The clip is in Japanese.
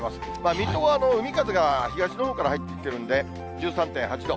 水戸は海風が東のほうから入ってきてるんで、１３．８度。